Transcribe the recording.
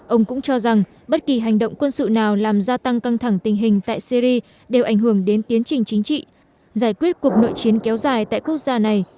ông cũng cho rằng bất kỳ hành động quân sự nào làm gia tăng căng thẳng tình hình tại syri đều ảnh hưởng đến tiến trình chính trị giải quyết cuộc nội chiến kéo dài tại quốc gia này